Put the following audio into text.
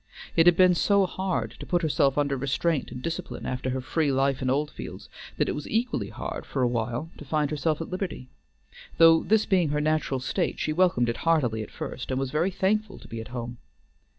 It had been so hard to put herself under restraint and discipline after her free life in Oldfields that it was equally hard for a while to find herself at liberty; though, this being her natural state, she welcomed it heartily at first, and was very thankful to be at home.